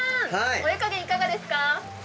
お湯加減いかがですか？